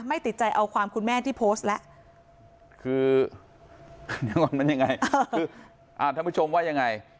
ไม่ติดใจเอาความคุณแม่ที่โพสต์ละ